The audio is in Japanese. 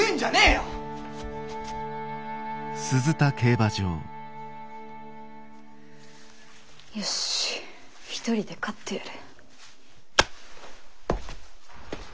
よし１人で勝ってやる。